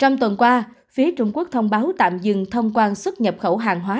ngoài ra phía trung quốc thông báo tạm dừng thông quan xuất nhập khẩu hàng hóa